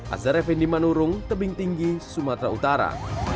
azhar effendi manurung tebing tinggi sumatera utara